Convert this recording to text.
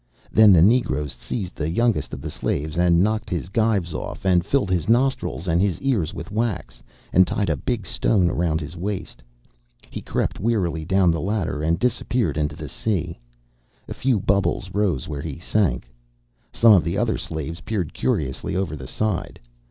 Then the negroes seized the youngest of the slaves and knocked his gyves off, and filled his nostrils and his ears with wax, and tied a big stone round his waist. He crept wearily down the ladder, and disappeared into the sea. A few bubbles rose where he sank. Some of the other slaves peered curiously over the side.